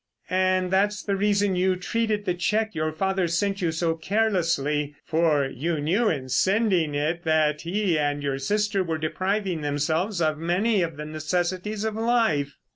"And that's the reason you treated the cheque your father sent you so carelessly—for, you knew in sending it that he and your sister were depriving themselves of many of the necessities of life."